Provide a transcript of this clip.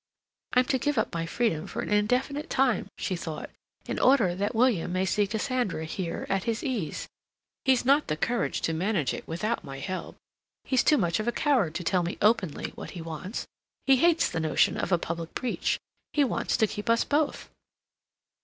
"I'm to give up my freedom for an indefinite time," she thought, "in order that William may see Cassandra here at his ease. He's not the courage to manage it without my help—he's too much of a coward to tell me openly what he wants. He hates the notion of a public breach. He wants to keep us both."